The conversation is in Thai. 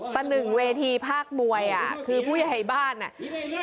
ประหนึ่งเวทีภาคมวยอ่ะคือผู้ใหญ่บ้านอ่ะ